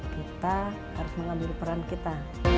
kita harus mengambil peran kita